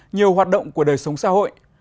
nhiều hoạt động của đời sống xã hội